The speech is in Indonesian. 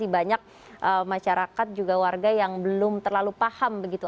banyak masyarakat juga warga yang belum terlalu paham begitu